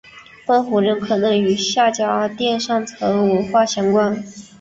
东胡人可能与夏家店上层文化相关。